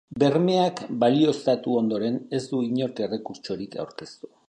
Bermeak balioztatu ondoren, ez du inork errekurtsorik aurkeztu.